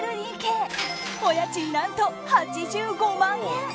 お家賃、何と８５万円。